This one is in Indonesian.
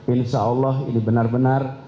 insya allah ini benar benar